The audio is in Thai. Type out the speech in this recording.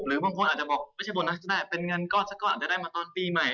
บางคนอาจจะบอกไม่ใช่โบนัสได้เป็นเงินก้อนสักก้อนอาจจะได้มาตอนปีใหม่